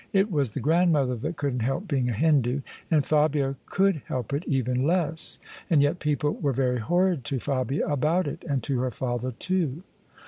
It was the grandmother that couldn't help being a Hindoo, and Fabia could help it even less: and yet people were very horrid to Fabia about it, and to her father too."